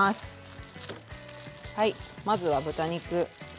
はいまずは豚肉。